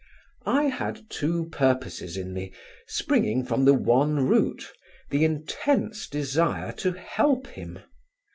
I had two purposes in me, springing from the one root, the intense desire to help him.